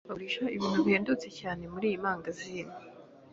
Bagurisha ibintu bihendutse cyane muriyi mangazini.